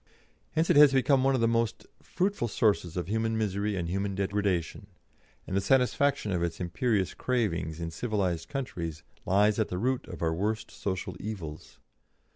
Hence it has become one of the most fruitful sources of human misery and human degradation, and the satisfaction of its imperious cravings in civilised countries lies at the root of our worst social evils.